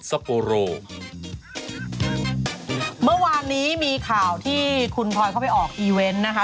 เมื่อวานนี้มีข่าวที่คุณพลอยเข้าไปออกอีเวนต์นะคะ